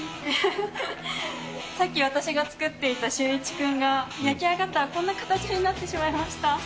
さっき私が作っていたシュー１君が焼き上がったらこんな形になってしまいました。